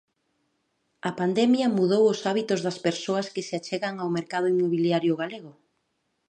A pandemia mudou os hábitos das persoas que se achegan ao mercado inmobiliario galego.